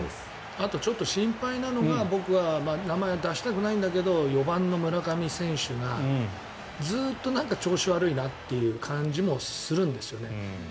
あとちょっと心配なのが名前を出したくないんだけど４番の村上選手がずっと調子悪いなという感じもするんですよね。